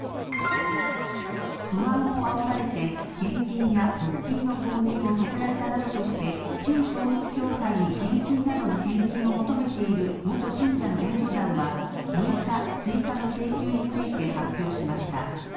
不安をあおられて、献金や物品の購入をさせられたなどとして、旧統一教会に献金などの返金を求めている元信者の弁護団は６日、追加の請求について発表しました。